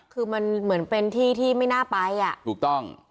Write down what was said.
คือมันเหมือนเป็นที่ที่ไม่น่าไปอ่ะถูกต้อง